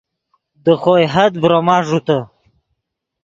دے خوئے حد ڤروما ݱوتے